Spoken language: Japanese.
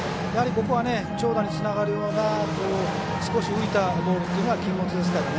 長打につながるような少し浮いたボールというのは禁物ですからね。